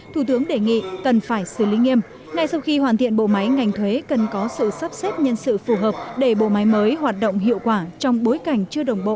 thủ tướng đề nghị tổng kết lại mô hình này để có thể rút ra bài học cho lãnh đạo của đảng